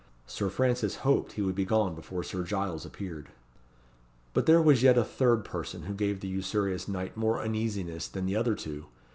Sir Francis hoped he would be gone before Sir Giles appeared. But there was yet a third person, who gave the usurious knight more uneasiness than the other two.